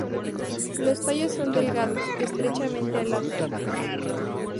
Los tallos son delgados, estrechamente alados.